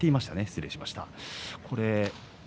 失礼しました。